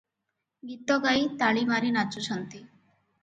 ଗୀତ ଗାଇ ତାଳି ମାରି ନାଚୁଛନ୍ତି ।